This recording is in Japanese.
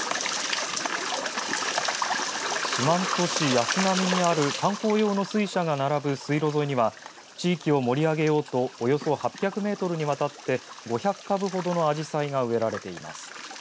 四万十市安並にある観光用の水車が並ぶ水路沿いには地域を盛り上げようとおよそ８００メートルにわたって５００株ほどのアジサイが植えられています。